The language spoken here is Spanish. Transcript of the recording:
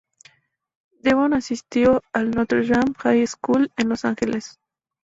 Devon asistió al "Notre Dame High School" en Los Ángeles.